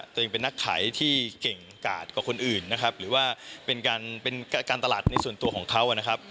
ตัวเองเป็นนักขายที่เก่งกาดกว่าคนอื่นนะครับหรือว่าเป็นการเป็นการตลาดในส่วนตัวของเขานะครับ